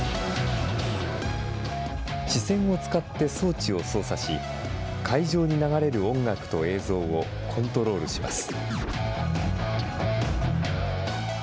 視線を使って装置を操作し、会場に流れる音楽と映像をコントロールします。